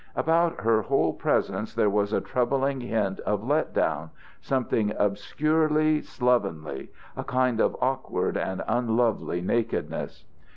About her whole presence there was a troubling hint of let down, something obscurely slovenly, a kind of awkward and unlovely nakedness.